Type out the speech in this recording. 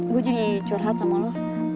gue jadi curhat sama lo